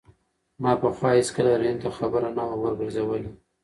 ما پخوا هېڅکله رحیم ته خبره نه ده ورګرځولې.